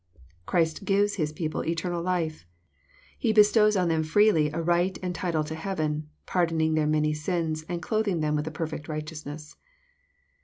Christ "gives" his people "eternal life." He bestows on them freely a right and title to heaven, pardoning their many sins, and clothing them with a perfect righteousness.